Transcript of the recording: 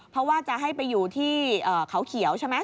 เพราะว่าจะให้ไปอยู่ที่เขาเขียวใช่ไหม